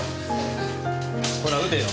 ほら撃てよ。